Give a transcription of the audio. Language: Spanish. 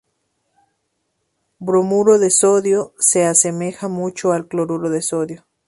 Bromuro de sodio se asemeja mucho al cloruro de sodio.